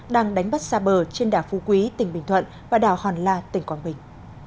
đang đánh bắt xa bờ trên đảo phu quý tỉnh bình thuận và đảo hòn la tỉnh quảng bình